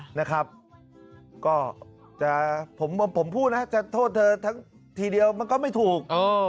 นะครับก็จะผมผมพูดนะจะโทษเธอทั้งทีเดียวมันก็ไม่ถูก